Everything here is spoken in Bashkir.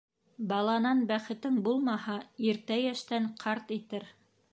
Баланан бәхетең булмаһа, иртә йәштән ҡарт итер.